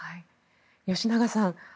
吉永さん